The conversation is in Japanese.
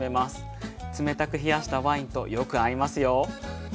冷たく冷やしたワインとよく合いますよ。